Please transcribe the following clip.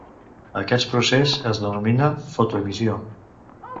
Aquest procés es denomina fotoemissió.